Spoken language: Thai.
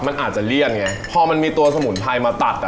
มันอาจจะเลี่ยนไงพอมันมีตัวสมุนไพรมาตัดอ่ะ